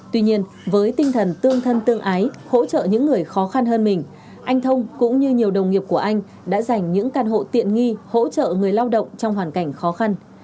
tuy nhiên với tinh thần tương thân tương ái hỗ trợ những người khó khăn hơn mình anh thông cũng như nhiều đồng nghiệp của anh đã dành những căn hộ tiện nghi hỗ trợ người lao động trong hoàn cảnh khó khăn